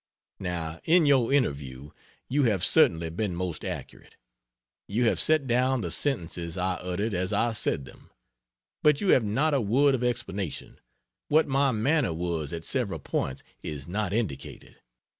Now, in your interview, you have certainly been most accurate; you have set down the sentences I uttered as I said them. But you have not a word of explanation; what my manner was at several points is not indicated.